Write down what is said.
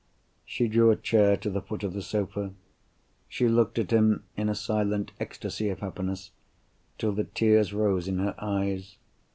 She drew a chair to the foot of the sofa. She looked at him in a silent ecstasy of happiness, till the tears rose in her eyes.